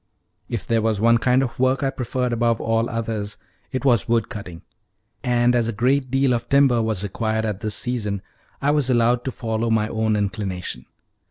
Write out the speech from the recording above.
If there was one kind of work I preferred above all others, it was wood cutting, and as a great deal of timber was required at this season, I was allowed to follow my own inclination.